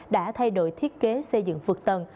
đã thay đổi thiết kế xây dựng vực tầng